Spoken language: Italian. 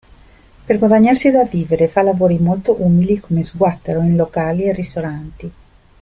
Per guadagnarsi da vivere fa lavori molto umili come sguattero in locali e ristoranti.